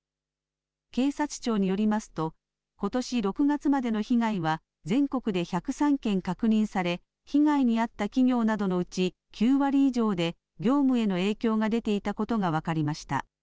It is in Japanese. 警察庁によりますとことし６月までの被害は全国で１０３件確認され被害に遭った企業などのうち９割以上で業務への影響が出ていたことが分かりました。